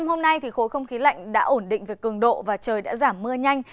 hôm nay khối không khí lạnh đã ổn định về cường độ và trời đã giảm mưa nhanh